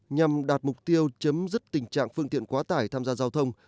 nhằm đạt mục tiêu chấm dứt tình trạng phương tiện quá tải tham gia giao thông